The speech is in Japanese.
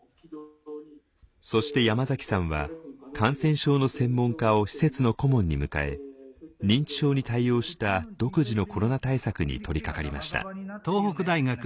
そして山崎さんは感染症の専門家を施設の顧問に迎え認知症に対応した独自のコロナ対策に取りかかりました。